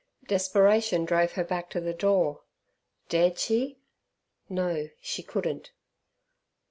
Desperation drove her back to the door. Dared she? No, she couldn't.